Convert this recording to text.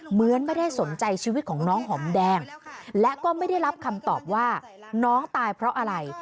เหมือนไม่ได้สนใจชีวิตของน้องหอมแดงและก็ไม่ได้รับคำตอบว่าน้องตายเพราะอะไร